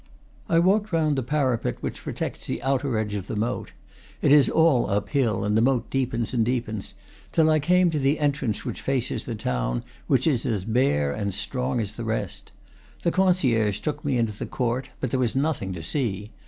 I walked round the parapet which protects the outer edge of the moat (it is all up hill, and the moat deepens and deepens), till I came to the entrance which faces the town, and which is as bare and strong as the rest. The concierge took me into the court; but there was nothing to see.